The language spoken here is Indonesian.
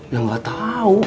ya nggak tahu